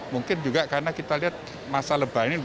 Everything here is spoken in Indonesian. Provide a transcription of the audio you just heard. mungkin juga karena kita lihat masa lebar ini banyak